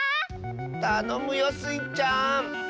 たのむよスイちゃん！